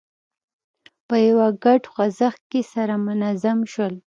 په یوه ګډ خوځښت کې سره منظم شول.